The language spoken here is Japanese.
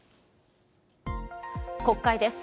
国会です。